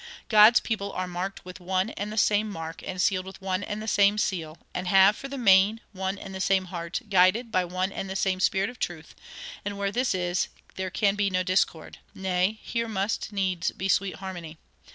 God's people are marked with one and the same mark, and sealed with one and the same seal, and have, for the main, one and the same heart, guided by one and the same Spirit of truth; and where this is there can be no discord nay, here must needs be sweet harmony.